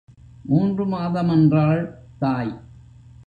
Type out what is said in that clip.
மூன்று மாதம் என்றாள் தாய்.